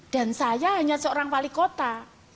dan saya hanya seorang palikota